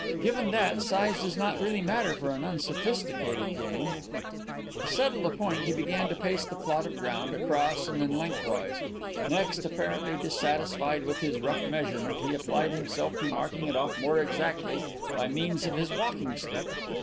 Given that, size does not really matter for an unsophisticated game." To settle the point he began to pace the plot of ground, across and then lengthways. Next, apparently dissatisfied with this rough measurement, he applied himself to marking it off more exactly by means of his walking stick.